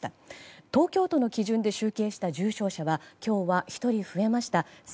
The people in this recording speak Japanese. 東京都の基準で集計した重症者は今日は、１人増えました。